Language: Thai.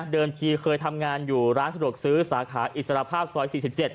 ทีเคยทำงานอยู่ร้านสะดวกซื้อสาขาอิสระภาพซอย๔๗